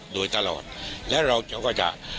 ขอบพระองค์